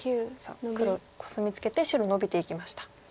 黒コスミツケて白ノビていきました。